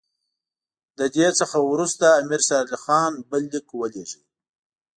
له دې څخه وروسته امیر شېر علي خان بل لیک ولېږه.